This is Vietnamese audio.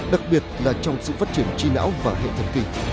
đặc biệt là trong sự phát triển trí não và hệ thần kỳ